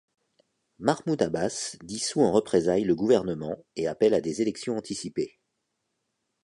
Mahmoud Abbas dissout en représailles le gouvernement et appelle à des élections anticipées.